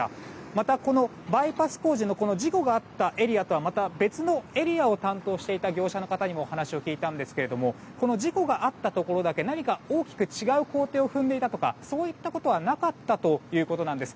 また、このバイパス工事の事故があったエリアとはまた別のエリアを担当していた業者の方にもお話を聞いたんですけれどもこの事故があったところだけ何か大きく違う工程を踏んでいたとかそういったことはなかったということなんです。